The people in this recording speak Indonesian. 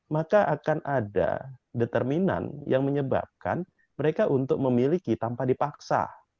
maka akan ada determinan yang menyebabkan mereka untuk memiliki tanpa dipaksa